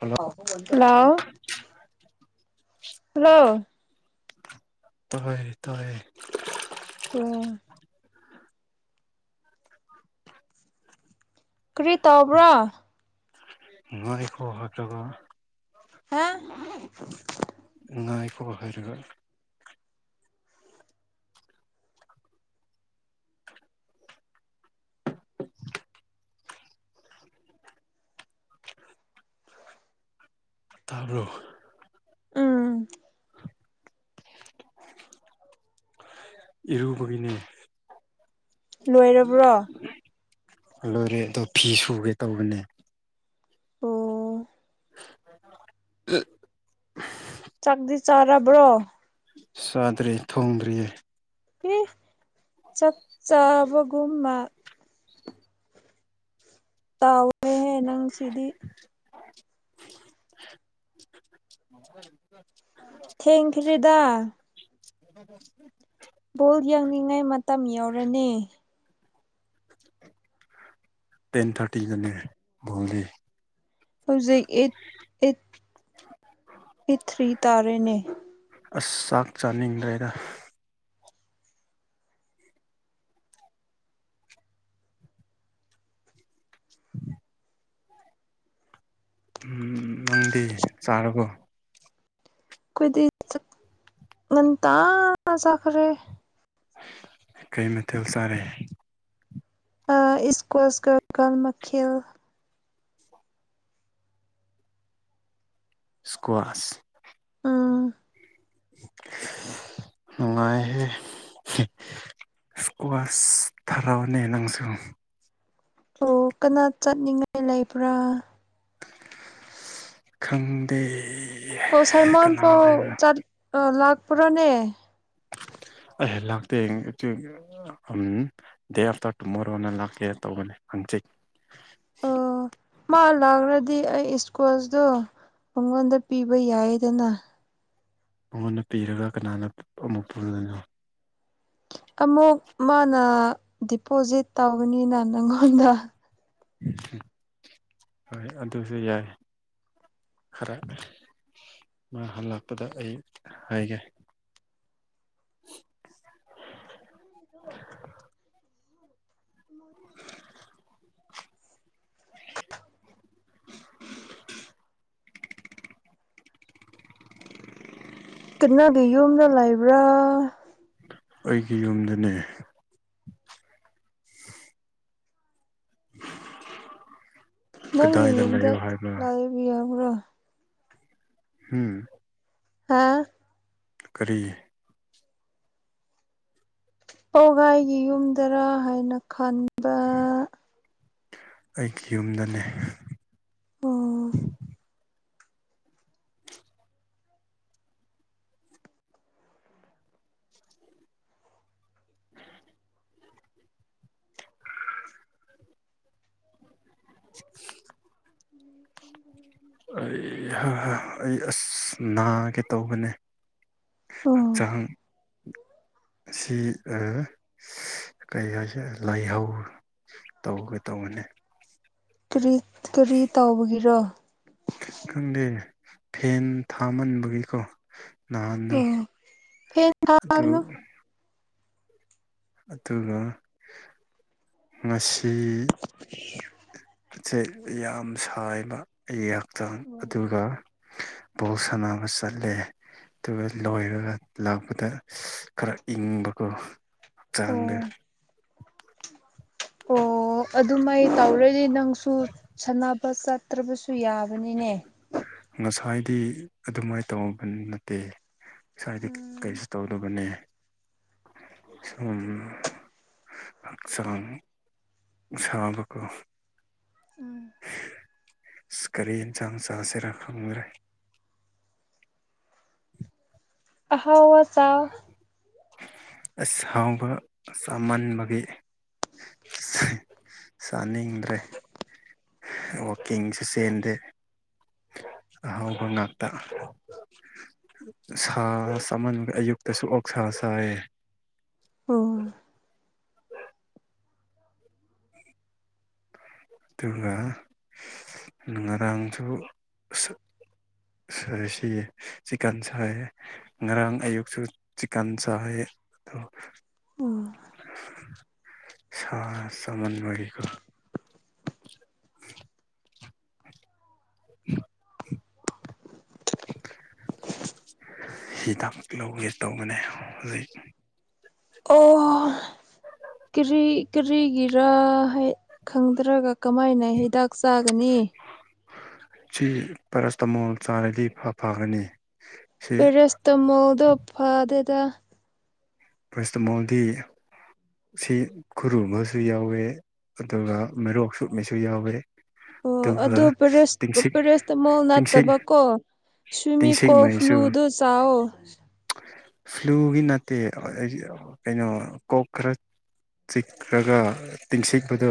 hello hello hello ꯇꯥꯔꯦ ꯇꯥꯔꯦ ꯑꯝ ꯀ꯭ꯔꯤ ꯇꯧꯕ꯭ꯔꯥ ꯉꯣꯏꯈꯣ ꯍꯥꯏꯔꯒ ꯍꯥ ꯉꯥꯏꯈꯣ ꯍꯥꯏꯔꯒ ꯇꯥꯕ꯭ꯔꯣ ꯎꯝ ꯏꯔꯨꯕꯒꯤꯅꯦ ꯂꯣꯏꯔꯕ꯭ꯔꯣ ꯂꯣꯏꯔꯦꯗꯣ ꯐꯤ ꯁꯨꯒꯦ ꯇꯧꯕꯅꯦ ꯑꯣ [unintelligible] ꯆꯥꯛꯗꯤ ꯆꯥꯔꯕ꯭ꯔꯣ ꯆꯥꯗ꯭ꯔꯤ ꯊꯣꯡꯗ꯭ꯔꯤꯌꯦ ꯑꯦ ꯆꯥꯛ ꯆꯥꯕꯒꯨꯝꯕ ꯃ ꯇꯥꯎꯔꯦꯍꯦ ꯅꯪ ꯁꯤꯗꯤ ꯊꯦꯡꯈ꯭ꯔꯦꯗ ꯕꯣꯜ ꯌꯦꯡꯂꯤꯉꯥꯏ ꯃꯇꯝ ꯌꯧꯔꯅꯤ ꯇꯦꯟ ꯊꯥꯔꯇꯤꯗꯅꯦ ꯕꯣꯜꯗꯤ ꯍꯧꯖꯤꯛ ꯑꯦꯠ ꯑꯦꯠ ꯑꯦꯠ ꯊ꯭ꯔꯤ ꯇꯥꯔꯦꯅꯦ ꯑꯁ ꯆꯥꯛ ꯆꯥꯅꯤꯡꯗ꯭ꯔꯦꯗ ꯎꯝ ꯅꯪꯗꯤ ꯆꯥꯔꯕꯣ ꯈꯣꯏꯗꯤ ꯆꯥꯛ ꯉꯟꯇꯥꯅ ꯆꯥꯈꯔꯦ ꯀꯩ ꯃꯊꯦꯜ ꯆꯥꯔꯦ ꯏꯁꯀꯣꯁ ꯀ ꯃꯈꯦꯜ ꯏꯁꯀꯨꯋꯥꯁ ꯎꯝ ꯅꯨꯡꯉꯥꯏꯍꯦ ꯁ꯭ꯀꯋꯥꯁ ꯊꯥꯔꯛꯎꯅꯦ ꯅꯪꯁꯨ ꯑꯣ ꯀꯅꯥ ꯆꯠꯅꯤꯡꯉꯥꯏ ꯂꯩꯕ꯭ꯔꯥ ꯈꯪꯗꯦ ꯑꯣ ꯁꯥꯏꯃꯣꯟ ꯀꯅꯥ ꯇꯣ ꯂꯩꯕ꯭ꯔꯥ ꯆꯠ ꯂꯥꯛꯄ꯭ꯔꯥꯅꯦ ꯑꯦ ꯂꯥꯛꯇꯦ ꯎꯝ ꯗꯦ ꯑꯥꯞꯐꯇ꯭ꯔ ꯇꯨꯃꯣꯔꯣꯅ ꯂꯥꯛꯀꯦ ꯇꯧꯕꯅꯦ [inaudible] ꯑꯣ ꯃꯥ ꯂꯥꯛꯈ꯭ꯔꯗꯤ ꯑꯩ ꯏꯁꯀꯣꯁꯇꯣ ꯃꯉꯣꯟꯗ ꯄꯤꯕ ꯌꯥꯏꯗꯅ ꯃꯉꯣꯟꯗ ꯄꯤꯔꯒ ꯀꯅꯥꯅ ꯑꯃꯨꯛ ꯄꯨꯒꯅꯤ ꯑꯃꯨꯛ ꯃꯥꯅ ꯗꯤꯄꯣꯖꯤꯠ ꯇꯧꯕꯅꯤꯅ ꯅꯪꯉꯣꯟꯗ ꯍꯣꯏ ꯑꯗꯨꯁꯨ ꯌꯥꯏ ꯈꯔ ꯃꯥ ꯍꯜꯂꯛꯄꯗ ꯑꯩ ꯍꯥꯏꯒꯦ [inaudible] ꯀꯥꯟꯅꯗꯤ ꯌꯨꯝꯗ ꯂꯩꯕ꯭ꯔꯥ ꯑꯩꯒꯤ ꯌꯨꯝꯗꯅꯦ ꯅꯪꯒꯤ ꯀꯗꯥꯏꯗ ꯌꯨꯝꯗ ꯂꯩꯌꯣ ꯍꯥꯏꯕ꯭ꯔꯥ ꯂꯥꯛꯑꯕꯤ ꯌꯥꯕ꯭ꯔꯣ ꯍꯝ ꯍꯥꯥ ꯀꯔꯤ ꯄꯧꯒꯥꯏꯒꯤ ꯌꯨꯝꯗꯔꯥ ꯍꯥꯏꯅ ꯈꯟꯕ ꯑꯩꯒꯤ ꯌꯨꯝꯗꯅꯦ ꯑꯣ [inaudible] [inaudible] ꯑꯩ ꯍꯍ ꯑꯁ ꯅꯥꯒꯦ ꯇꯧꯕꯅꯦ ꯎꯝ ꯍꯛꯆꯥꯡ ꯑꯁꯤ ꯀꯩ ꯍꯥꯏꯁꯦ ꯂꯥꯏꯍꯧ ꯇꯧꯒꯦ ꯇꯧꯕꯅꯤ ꯀꯔꯤ ꯀꯔꯤ ꯇꯧꯕꯒꯤꯔꯣ ꯈꯪꯗꯦ ꯐꯦꯟ ꯊꯥꯃꯟꯕꯒꯤꯀꯣ ꯅꯍꯥꯟꯗꯣ ꯎꯝ ꯐꯦꯟ ꯑꯗꯨ ꯊꯥꯒꯅꯨ ꯑꯗꯨꯒ ꯉꯁꯤ ꯎꯝ ꯐꯤꯁꯦ ꯌꯥꯝ ꯁꯥꯏꯕ ꯅꯩ ꯌꯥꯝ ꯍꯛꯆꯥꯡ ꯑꯗꯨꯒ ꯕꯣꯜ ꯁꯥꯟꯅꯕ ꯆꯠꯂꯦ ꯑꯗꯨꯒ ꯂꯣꯏꯔꯒ ꯂꯥꯛꯄꯗ ꯈꯔ ꯏꯪꯕꯀꯣ ꯆꯥꯡꯗ ꯎꯝ ꯑꯣ ꯑꯗꯨꯃꯥꯏꯅ ꯇꯧꯔꯗꯤ ꯅꯪꯁꯨ ꯁꯥꯟꯅꯕ ꯆꯠ ꯇ꯭ꯔꯕꯁꯨ ꯌꯥꯕꯅꯤꯅꯦ ꯉꯁꯥꯏꯗꯤ ꯑꯗꯨꯃꯥꯏꯅ ꯇꯧꯕ ꯅꯠꯇꯦ ꯁ꯭ꯋꯥꯏꯗ ꯀꯩꯁꯨ ꯇꯧꯗꯕꯅꯦ ꯁꯨꯝ ꯍꯛꯆꯥꯡ ꯁꯥꯕꯀꯣ ꯀꯔꯤ ꯏꯟꯁꯥꯡ ꯆꯥꯁꯤꯔ ꯈꯪꯗ꯭ꯔꯦ ꯑꯍꯥꯎꯕ ꯆꯥꯎꯌꯣ ꯑꯁ ꯑꯍꯥꯎꯕ ꯆꯥꯃꯟꯕꯒꯤ ꯆꯥꯅꯤꯡꯗ꯭ꯔꯦ ꯋꯀꯤꯡꯁꯨ ꯆꯦꯟꯗꯦ [inaudible] ꯑꯍꯥꯎꯕ ꯉꯥꯛꯇ ꯁꯥ ꯆꯃꯟꯕꯩ ꯑꯌꯨꯛꯇꯁꯨ ꯑꯣꯛ ꯁꯥ ꯆꯥꯏ ꯑꯝ ꯑꯗꯨꯒ ꯉꯔꯥꯡꯁꯨ ꯁꯔ ꯔꯤꯁꯤꯑꯦ ꯆꯤꯀꯟ ꯁꯥꯏꯑꯦ ꯉꯔꯥꯡ ꯑꯌꯨꯛꯁꯨ ꯆꯤꯀꯟ ꯆꯥꯏꯌꯦ ꯊꯣ ꯁꯥ ꯁꯃꯟꯕꯒꯤ ꯀꯣ [inaudible] ꯍꯤꯗꯥꯛ ꯂꯧꯒꯦ ꯇꯧꯕꯅꯦ ꯍꯧꯖꯤꯛ ꯑꯣ ꯀꯔꯤ ꯀꯔꯤꯒꯤꯔ ꯍꯥꯏ ꯈꯪꯗ꯭ꯔꯒ ꯀꯃꯥꯏꯅ ꯍꯤꯗꯥꯛ ꯆꯥꯒꯅꯤ ꯁꯤ ꯄꯦꯔꯥꯁꯇꯃꯣꯜ ꯆꯥꯔꯗꯤ ꯈꯥ ꯐꯒꯅꯤ ꯁꯤ ꯄꯦꯔꯁꯇꯃꯣꯜꯗꯣ ꯐꯥꯗꯦꯗ ꯄꯦꯔꯥꯁꯇꯃꯣꯜꯗꯤ ꯁꯤ ꯈꯨꯔꯨꯃꯕꯁꯨ ꯌꯥꯎꯋꯦ ꯑꯗꯨꯒ ꯃꯔꯣꯛ ꯁꯨꯞꯃꯤꯁꯨ ꯌꯥꯎꯋꯦ ꯑꯣ ꯑꯗꯨꯒ ꯑꯗꯨ ꯄꯔꯥꯁ ꯇꯤꯡꯁꯤꯛ ꯄꯔꯥꯁꯇꯃꯣꯜ ꯇꯤꯡꯁꯤꯛ ꯅꯠꯇꯕꯀꯣ ꯁ꯭ꯌꯨꯃꯤ ꯇꯤꯡꯁꯤꯛ ꯀꯣꯜ ꯃꯩꯁꯨ ꯐ꯭ꯂꯨꯗꯣ ꯆꯥꯑꯣ ꯐ꯭ꯂꯨꯒꯤ ꯅꯠꯇꯦ ꯍꯣꯏ ꯀꯩꯅꯣ ꯀꯣꯛ ꯈꯔ ꯆꯤꯛ꯭ꯔꯒ ꯇꯤꯡꯁꯤꯛꯄꯗꯣ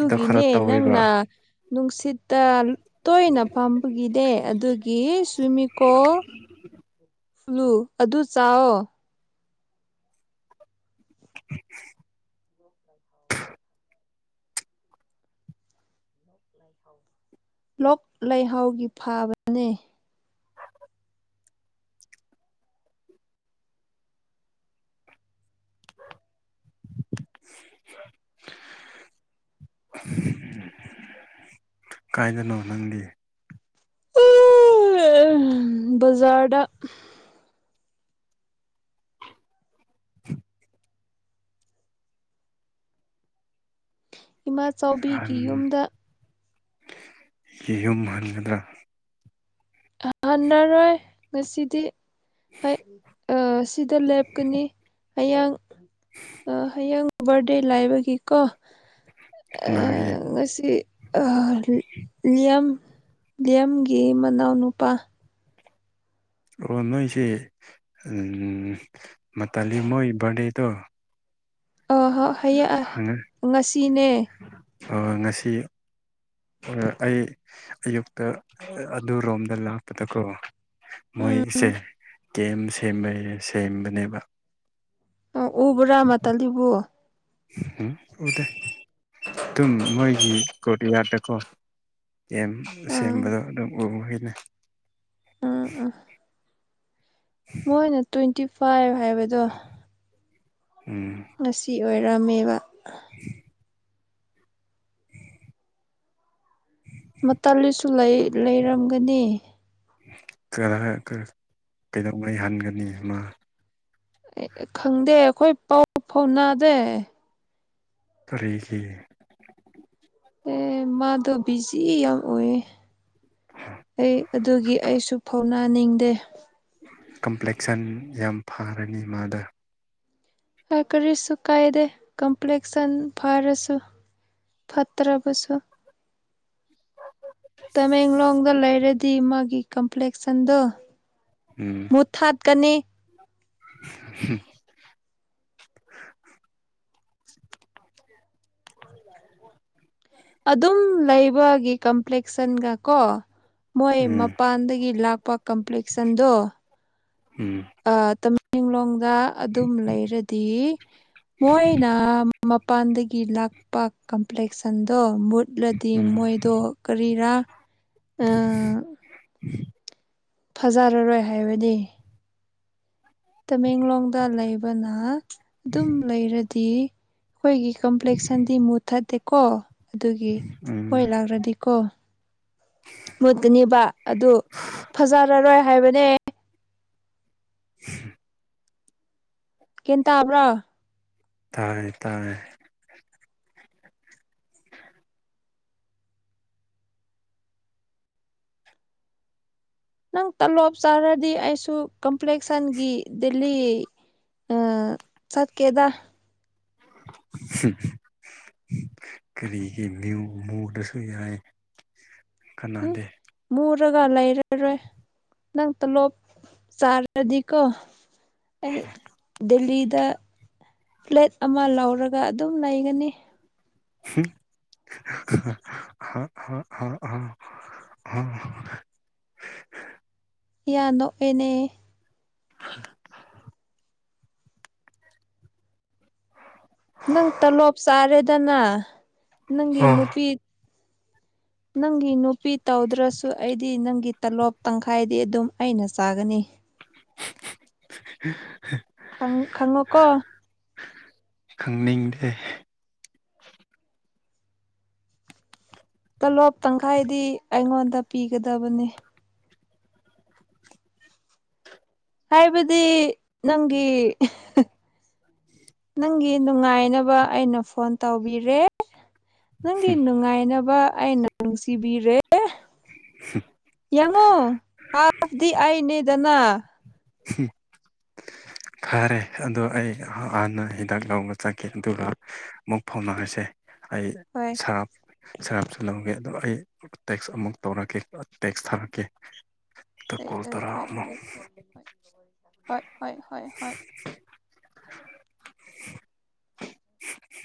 ꯑꯗꯣ ꯈꯔ ꯇꯧꯋꯦꯕ ꯅꯪꯅ ꯅꯨꯡꯁꯤꯠꯇ ꯇꯣꯏꯅ ꯐꯥꯝꯕꯒꯤꯅꯦ ꯑꯗꯨꯒꯤ ꯁ꯭ꯋꯤꯃꯤꯀꯣ ꯐ꯭ꯂꯨ ꯑꯗꯨ ꯆꯥꯑꯣ [inaudible] ꯂꯣꯛ ꯂꯩꯍꯥꯎꯒꯤ ꯐꯥꯕꯅꯦ [inaudible] ꯀꯥꯏꯗꯅꯣ ꯅꯪꯗꯤ ꯎꯎꯎ ꯑ ꯑꯝ ꯕꯖꯥꯔꯗ [inaudible] ꯏꯃꯥ ꯆꯥꯎꯕꯤꯒꯤ ꯑꯍꯟ ꯌꯨꯝꯗ ꯌꯨꯝ ꯍꯟꯒꯗ꯭ꯔꯥ ꯍ ꯍ ꯍꯟꯅꯔꯣꯏ ꯉꯁꯤꯗꯤ ꯑꯩ ꯑꯥ ꯁꯤꯗ ꯂꯦꯞꯀꯅꯤ ꯍꯌꯦꯡ ꯍꯌꯦꯡ ꯕꯥꯔꯗꯦ ꯂꯥꯏꯕꯒꯤꯀꯣ ꯑꯦ ꯀꯅꯥꯒꯤ ꯑꯦ ꯉꯁꯤ ꯑꯍ ꯂꯤꯌꯝ ꯂꯤꯌꯝꯒꯤ ꯃꯅꯥꯎꯅꯨꯄꯥ ꯑꯣ ꯅꯣꯏꯁꯦ ꯎꯝ ꯃꯇꯥꯂꯤ ꯃꯣꯏ ꯕꯥꯔꯗꯦꯗꯣ ꯑ ꯥ ꯍꯥ ꯍꯌꯦ ꯑꯥ ꯉꯁꯤꯅꯦ ꯑꯥ ꯉꯁꯤ ꯑꯥ ꯑꯩ ꯑꯌꯨꯛꯇ ꯑꯗꯨꯔꯣꯝꯗ ꯂꯥꯛꯄꯗꯀꯣ ꯎꯝ ꯃꯣꯏꯁꯦ ꯀꯦꯝ ꯁꯦꯝꯕꯩ ꯁꯦꯝꯕꯅꯦꯕ ꯑꯥ ꯎꯕ꯭ꯔꯥ ꯃꯇꯂꯤꯕꯨ ꯎ ꯎꯗꯦ ꯑꯗꯨꯝ ꯃꯣꯏꯒꯤ ꯀꯣꯠꯌꯥꯔꯗꯀꯣ ꯑꯦꯝ ꯑꯥ ꯁꯦꯝꯕꯗꯣ ꯑꯗꯨꯝ ꯎꯔꯤꯅꯦ ꯎꯝ ꯎꯝ ꯃꯣꯏꯅ ꯇ꯭ꯋꯦꯟꯇꯤ ꯐꯥꯏꯐ ꯍꯥꯏꯕꯗꯣ ꯎꯝ ꯉꯁꯤ ꯑꯣꯏꯔꯝꯃꯦꯕ [inaudible] ꯃꯇꯜꯂꯤꯁꯨ ꯂꯩ ꯂꯩꯔꯝꯒꯅꯤ ꯀꯔꯥ ꯀ ꯀꯩꯗꯧꯉꯩ ꯍꯟꯒꯅꯤ ꯃꯥ ꯑꯦ ꯑꯦ ꯈꯪꯗꯦ ꯑꯈꯣꯏ ꯄꯥꯎ ꯐꯥꯎ ꯅꯥꯗꯦ ꯀꯔꯤꯒꯤ ꯑꯦ ꯃꯥꯗꯣ ꯕꯤꯖꯤ ꯌꯥꯝ ꯑꯣꯏꯌꯦ ꯑꯩ ꯑꯗꯨꯒꯤ ꯑꯩꯁꯨ ꯐꯥꯎꯅꯥꯅꯤꯡꯗꯦ ꯀꯝꯄ꯭ꯂꯦꯛꯁꯟ ꯌꯥꯝ ꯐꯔꯅꯤ ꯃꯥꯗ ꯍꯣꯏ ꯀꯔꯤꯁꯨꯨ ꯀꯥꯏꯗꯦ ꯀꯝꯄ꯭ꯂꯦꯛꯁꯟ ꯐꯥꯔꯁꯨ ꯐꯠꯇ꯭ꯔꯥꯕꯁꯨ ꯇꯃꯦꯡꯂꯣꯡꯗ ꯂꯩꯔꯗꯤ ꯃꯥꯒꯤ ꯀꯝꯄ꯭ꯂꯦꯛꯁꯟꯗꯣ ꯎꯝ ꯃꯨꯊꯠꯀꯅꯤ [inaudible] [inaudible] ꯑꯗꯨꯝ ꯂꯩꯕꯒꯤ ꯀꯝꯄ꯭ꯂꯦꯛꯁꯟꯒ ꯀꯣ ꯃꯣꯏ ꯎꯝ ꯃꯄꯥꯟꯗꯒꯤ ꯂꯥꯛꯄ ꯀꯝꯄ꯭ꯂꯦꯛꯁꯟꯗꯣ ꯎꯝ ꯇꯃꯦꯡꯂꯣꯡꯗ ꯑꯗꯨꯝ ꯂꯩꯔꯗꯤ ꯃꯣꯏꯅ ꯃꯄꯥꯟꯗꯒꯤ ꯂꯥꯛꯄ ꯀꯝꯄ꯭ꯂꯦꯛꯁꯟꯗꯣ ꯃꯨꯠꯂꯗꯤ ꯎꯝ ꯃꯣꯏꯗꯣ ꯀꯔꯤꯔꯥ ꯎꯝ [inaudible] ꯐꯖꯔꯔꯣꯏ ꯍꯥꯏꯕꯅꯤ ꯇꯃꯦꯡꯂꯣꯡꯗ ꯂꯩꯕꯅ ꯑꯗꯨꯝ ꯂꯩꯔꯗꯤ ꯑꯩꯈꯣꯏꯒꯤ ꯀꯝꯄ꯭ꯂꯦꯛꯁꯟꯗꯤ ꯃꯨꯊꯠꯇꯦꯀꯣ ꯑꯗꯨꯒꯤ ꯍꯣꯏ ꯎꯝ ꯂꯥꯛꯔꯗꯤꯀꯣ ꯃꯨꯠꯀꯅꯦꯕ ꯑꯗꯨ ꯐꯖꯔꯔꯣꯏ ꯍꯥꯏꯕꯅꯦ [inaudible] ꯒ꯭ꯌꯥꯟ ꯇꯕ꯭ꯔꯥ ꯇꯥꯔꯦ ꯇꯥꯔꯦ ꯅꯪ ꯇꯂꯣꯞ ꯆꯥꯔꯗꯤ ꯑꯩꯁꯨ ꯀꯝꯄ꯭ꯂꯦꯛꯁꯟꯒꯤ ꯗꯤꯜ ꯂꯤ ꯑꯥ ꯆꯠꯀꯦꯗ ꯍꯝꯍꯝ ꯀꯔꯤꯒꯤ ꯅ꯭ꯌꯨ ꯃꯨꯗꯁꯨ ꯌꯥꯏ ꯀꯥꯅꯗꯦ ꯇ꯭ꯔꯒ ꯂꯩꯔꯔꯣꯏ ꯅꯪ ꯇꯂꯣꯞ ꯆꯥꯔꯗꯤꯀꯣ ꯑꯩ ꯗꯦꯜꯂꯤꯗ ꯐ꯭ꯂꯦꯠ ꯑꯃ ꯂꯧꯔꯒ ꯑꯗꯨꯝ ꯂꯩꯒꯅꯤ ꯍꯨ ꯑ ꯑ ꯍꯍ ꯌꯥ ꯅꯣꯛꯑꯦꯅꯦ [unintelligible] ꯇꯅ ꯅꯪꯒꯤ ꯍꯥ ꯅꯨꯄꯤ ꯅꯪꯒꯤ ꯅꯨ ꯄꯤ ꯇꯧꯗ꯭ꯔꯁꯨ ꯑꯩꯗꯤ ꯅꯪꯒꯤ ꯇꯂꯣꯞ ꯇꯪꯈꯥꯏꯗꯤ ꯑꯗꯨꯝ ꯑꯩꯅ ꯆꯥꯒꯅꯤ [unintelligible] ꯈꯪ ꯈꯪꯉꯣ ꯀꯣ ꯈꯪꯅꯤꯡꯗꯦ ꯇꯣꯂꯣꯞ ꯇꯪꯈꯥꯏꯗꯤ ꯑꯩꯉꯣꯟꯗ ꯄꯤꯒꯗꯕꯅꯦ ꯍꯥꯏꯕꯗꯤ ꯅꯪꯒꯤ ꯅꯪꯒꯤ ꯅꯨꯡꯉꯥꯏꯅꯕ ꯑꯩꯅ ꯐꯣꯟ ꯇꯧꯕꯤꯔꯦ ꯅꯪꯒꯤ ꯅꯨꯡꯉꯥꯏꯅꯕ ꯑꯩꯅ ꯅꯨꯡꯁꯤꯕꯤꯔꯦ ꯍꯝ ꯌꯥꯝꯃꯨꯡ [unintelligible] ꯑꯩꯅꯦꯗꯅ ꯐꯔꯦ ꯑꯗꯣ ꯑꯩ ꯍꯥꯟꯅ ꯍꯤꯗꯥꯛ ꯂꯧꯕ ꯆꯠꯀꯦ ꯑꯗꯨꯒ ꯑꯃꯨꯛ ꯐꯧꯅꯥꯔꯁꯦ ꯑꯩ ꯍꯣꯏ ꯁꯔꯥꯞ ꯁꯔꯥꯞ ꯁꯣꯂꯝꯒꯦ ꯑꯗꯣ ꯑꯩ ꯇꯦꯛꯁ ꯑꯃꯨꯛ ꯇꯧꯔꯛꯀꯦ ꯇꯦꯛꯁ ꯊꯥꯔꯛꯀꯦ ꯑꯗ ꯍꯣꯏ ꯀꯣꯜ ꯍꯣꯏ ꯇꯧꯔꯛꯑꯣ ꯑꯃꯨꯛ ꯍ ꯍꯣꯏ ꯍꯣꯏ ꯍꯣꯏ [unintelligible] [inaudible]